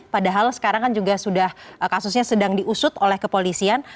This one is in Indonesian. padahal sekarang kan juga sudah kasusnya sedang diusut oleh kepolisian